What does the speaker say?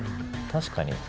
確かに。